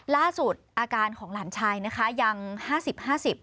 ล่าสุดอาการของหลานชายนะคะยังห้าสิบห้าสิบ